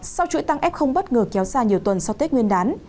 sau chuỗi tăng f bất ngờ kéo dài nhiều tuần sau tết nguyên đán